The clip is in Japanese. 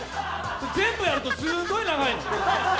全部やるとすごい長いの。